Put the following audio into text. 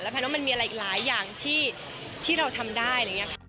แล้วแผนว่ามันมีอะไรหลายอย่างที่เราทำได้